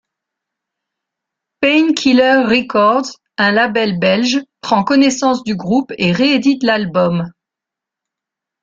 Painkiller Records, un label belge, prend connaissance du groupe, et réédite l'album '.